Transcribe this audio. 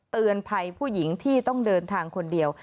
เตือนภัยผู้หญิงที่ต้องเดินทางคนเดียว